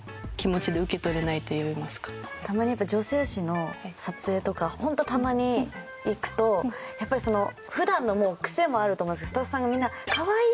ちゃんとたまに女性誌の撮影とか本当たまに行くとやっぱり普段の癖もあると思うんですけどスタッフさんがみんな可愛い！